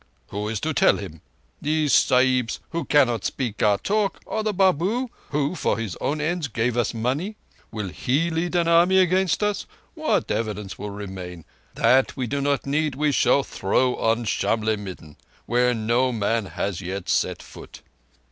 "Who is to tell him? Those Sahibs, who cannot speak our talk, or the Babu, who for his own ends gave us money? Will he lead an army against us? What evidence will remain? That we do not need we shall throw on Shamlegh midden, where no man has yet set foot."